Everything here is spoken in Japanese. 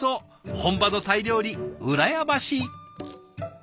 本場のタイ料理羨ましい。